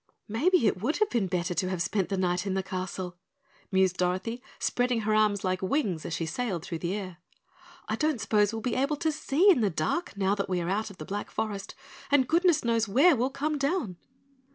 "Maybe it would have been better to have spent the night in the castle," mused Dorothy, spreading her arms like wings as she sailed through the air. "I don't suppose we'll be able to see in the dark now that we are out of the Black Forest, and goodness knows where we'll come down."